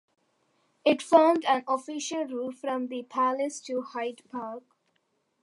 It formed an official route from the palace to Hyde Park.